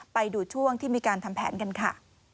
ไปดูช่วงที่มีการทำแผนกันค่ะ